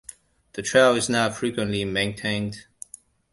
The trail is not frequently maintained.